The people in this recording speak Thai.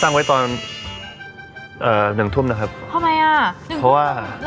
เพราะว่าเราเข้าห้องน้ำอยู่เลยอ่ะ